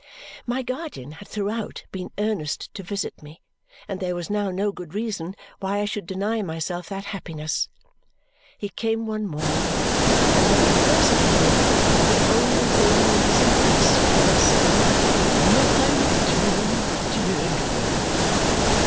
My guardian had throughout been earnest to visit me, and there was now no good reason why I should deny myself that happiness. He came one morning, and when he first came in, could only hold me in his embrace and say, "My dear, dear girl!"